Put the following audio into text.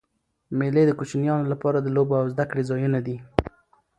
مېلې د کوچنيانو له پاره د لوبو او زدهکړي ځایونه دي.